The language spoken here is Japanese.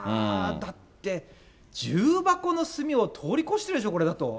だって、重箱の隅を通り越してるでしょ、これでは。